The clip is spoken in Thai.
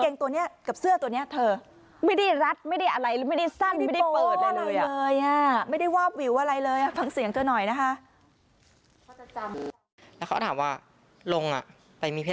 เนี้ยซ้ีเมสบังคับเนี้ย